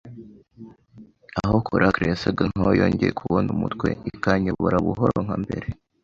aho coracle yasaga nkaho yongeye kubona umutwe ikanyobora buhoro nka mbere